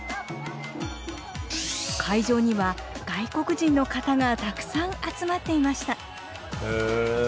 会場には外国人の方がたくさん集まっていました。